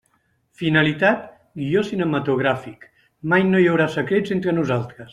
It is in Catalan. Finalitat: guió cinematogràfic Mai no hi haurà secrets entre nosaltres.